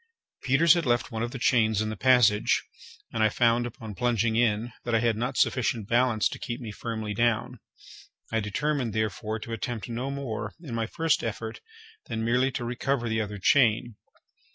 Peters had left one of the chains in the passage, and I found, upon plunging in, that I had not sufficient balance to keep me firmly down. I determined, therefore, to attempt no more, in my first effort, than merely to recover the other chain.